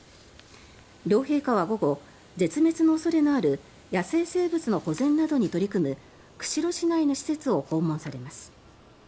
両陛下は午後、絶滅の恐れのある野生生物の保全などに取り組む釧路市内の施設を訪問されます。